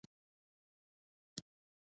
د چهارمغز ماتول اسانه نه دي.